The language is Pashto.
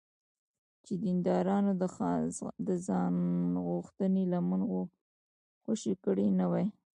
چې دیندارانو د ځانغوښتنې لمن خوشې کړې نه وي.